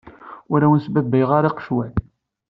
Ur awen-sbabbayeɣ aqecwal.